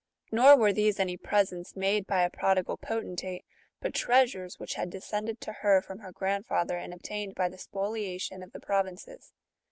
Nor were these any presents made by a prodigal potentate, but treasures which had descended to her from her grandfather, and obtained by the spoliation of the provinces.